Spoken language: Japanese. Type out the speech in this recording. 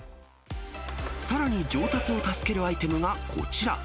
さらに、上達を助けるアイテムがこちら。